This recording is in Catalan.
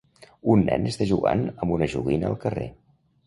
Un nen està jugant amb una joguina al carrer